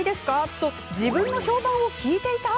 と自分の評判を聞いていた？